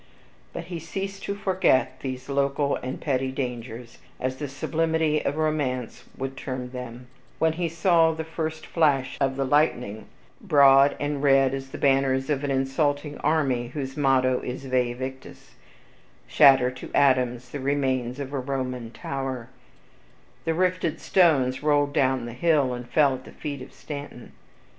But he ceased to forget these local and petty dangers, as the sublimity of romance would term them, when he saw the first flash of the lightning, broad and red as the banners of an insulting army whose motto is Vae victis, shatter to atoms the remains of a Roman tower; the rifted stones rolled down the hill, and fell at the feet of Stanton.